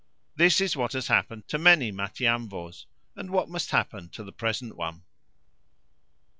This is what has happened to many Matiamvos, and what must happen to the present one."